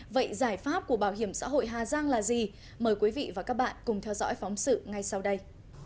vậy giải pháp của bảo hiểm xã hội hà giang là gì mời quý vị và các bạn cùng theo dõi phóng sự ngay sau đây